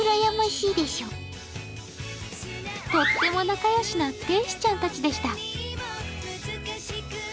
とっても仲よしな天使ちゃんたちでした。